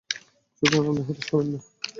সুতরাং আপনি হতাশ হবেন না।